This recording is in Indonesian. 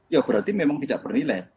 ya berarti memang tidak bernilai